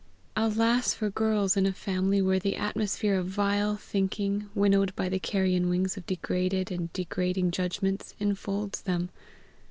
Alas for girls in a family where the atmosphere of vile thinking, winnowed by the carrion wings of degraded and degrading judgments, infolds them!